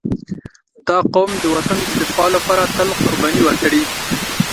• دا قوم د وطن د دفاع لپاره تل قرباني ورکړې.